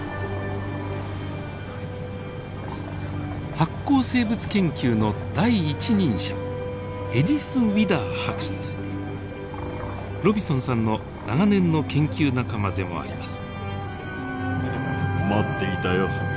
発光生物研究の第一人者ロビソンさんの長年の研究仲間でもあります。